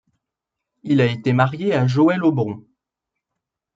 Il a été marié à Joëlle Aubron.